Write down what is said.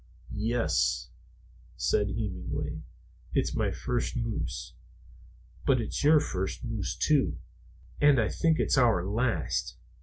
"Yes," said Hemenway, "it's my first moose. But it's your first moose, too. And I think it's our last.